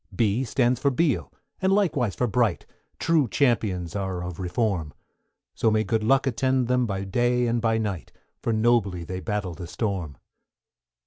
=B= stands for Beale, and likewise for Bright, True Champions are of Reform; So may good luck attend them by day and by night, For nobly they battle the storm.